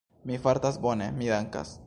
Mi fartas bone, mi dankas.